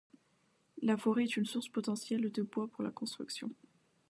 La forêt est une source potentielle de bois pour la construction.